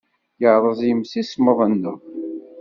Yerreẓ yimsismeḍ-nneɣ.